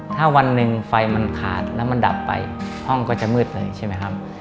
ถ้าวันหนึ่งไฟมันขาดแล้วมันดับไปห้องก็จะมืดเลยใช่ไหมครับ